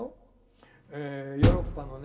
ヨーロッパのね